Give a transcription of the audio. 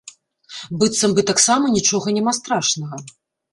Быццам бы таксама нічога няма страшнага.